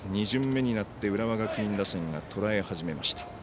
２巡目になって浦和学院打線がとらえ始めました。